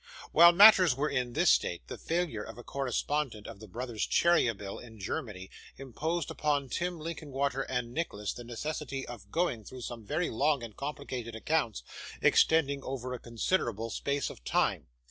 While matters were in this state, the failure of a correspondent of the brothers Cheeryble, in Germany, imposed upon Tim Linkinwater and Nicholas the necessity of going through some very long and complicated accounts, extending over a considerable space of time.